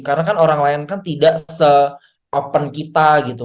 karena kan orang lain kan tidak se open kita gitu